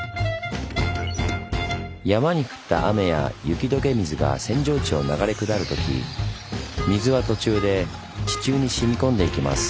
山に降った雨や雪どけ水が扇状地を流れ下るとき水は途中で地中にしみ込んでいきます。